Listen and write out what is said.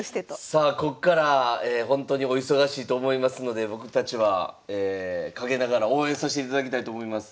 さあこっからほんとにお忙しいと思いますので僕たちは陰ながら応援さしていただきたいと思います。